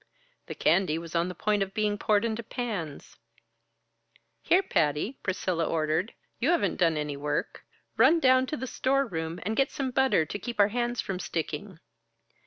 The candy was on the point of being poured into pans. "Here, Patty!" Priscilla ordered, "you haven't done any work. Run down to the storeroom and get some butter to keep our hands from sticking."